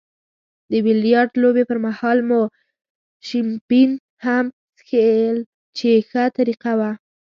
د بیلیارډ لوبې پرمهال مو شیمپین هم څیښل چې ښه طریقه وه.